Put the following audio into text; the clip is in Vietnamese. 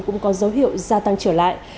cũng có dấu hiệu gia tăng trở lại